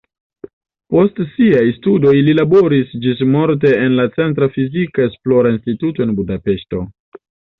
Post siaj studoj li laboris ĝismorte en la centra fizika esplora instituto en Budapeŝto.